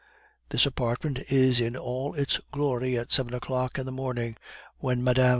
This apartment is in all its glory at seven o'clock in the morning, when Mme.